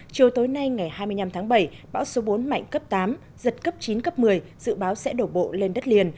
chiều tối nay ngày hai mươi năm tháng bảy bão số bốn mạnh cấp tám giật cấp chín cấp một mươi dự báo sẽ đổ bộ lên đất liền